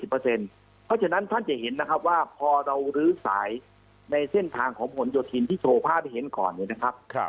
เพราะฉะนั้นท่านจะเห็นนะครับว่าพอเราลื้อสายในเส้นทางของผลโยธินที่โชว์ภาพให้เห็นก่อนเนี่ยนะครับ